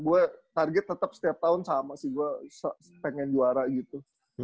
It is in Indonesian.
gue target tetap setiap tahun sama sih gue pengen juara gitu